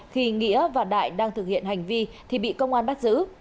khi nghĩa và đại đang thực hiện hành vi thì bị công an bắt giữ